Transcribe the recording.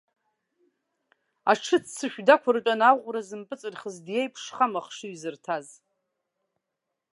Аҽыццышә дақәыртәаны аӷәра зымпыҵырхыз диеиԥшхама ахшыҩ зырҭаз?